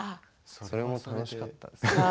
それも楽しかったですね。